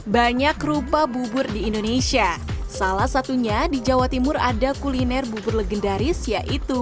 banyak rupa bubur di indonesia salah satunya di jawa timur ada kuliner bubur legendaris yaitu